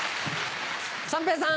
三平さん。